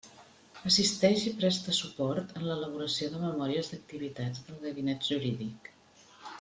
Assisteix i presta suport en l'elaboració de memòries d'activitats del Gabinet Jurídic.